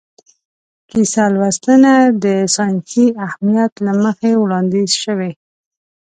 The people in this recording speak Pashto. کیسه لوستنه د ساینسي اهمیت له مخې وړاندیز شوې.